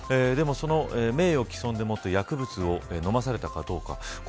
でも、名誉毀損でもって薬物を飲まされたかどうか。